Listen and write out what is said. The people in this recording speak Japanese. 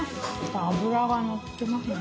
脂が乗ってますね。